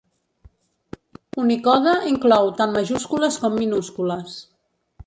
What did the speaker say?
Unicode inclou tant majúscules com minúscules.